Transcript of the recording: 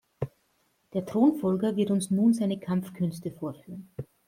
Der Thronfolger wird uns nun seine Kampfkünste vorführen.